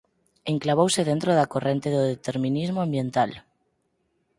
Enclavouse dentro da corrente do determinismo ambiental.